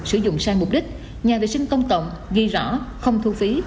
sử dụng sai mục đích nhà vệ sinh công cộng ghi rõ không thu phí